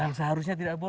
yang seharusnya tidak boleh